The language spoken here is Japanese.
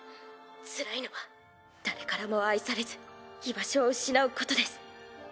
つらいのは誰からも愛されず居場所を失うことです。